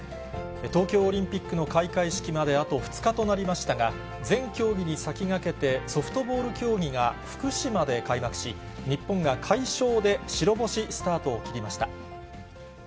東京オリンピックの開会式まであと２日となりましたが、全競技に先駆けて、ソフトボール競技が福島で開幕し、日本が快勝で白星スタートを切りました。